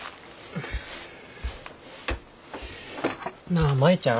なあ舞ちゃん。